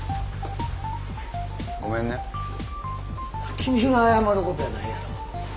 君が謝ることやないやろ。